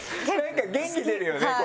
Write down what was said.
元気出るよねこれ。